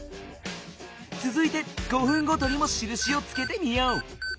つづいて５分ごとにもしるしをつけてみよう。